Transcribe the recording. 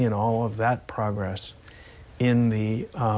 ไม่ให้เราได้การส่งข่าว